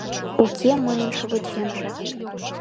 Уке мыйын шовычемже.